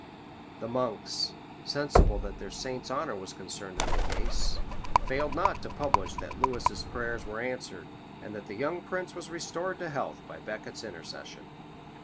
The monks, sensible that their saint's honor was concerned in the case, failed not to publish that Lewis's prayers were answered, and that the young prince was restored to health by Becket's intercession.